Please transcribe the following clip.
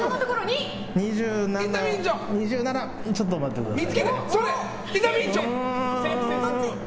２７、ちょっと待ってください。